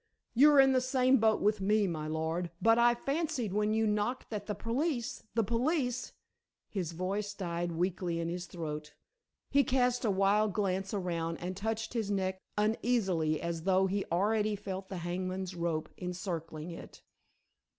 "You're in the same boat with me, my lord. But I fancied when you knocked that the police the police" his voice died weakly in his throat: he cast a wild glance around and touched his neck uneasily as though he already felt the hangman's rope encircling it.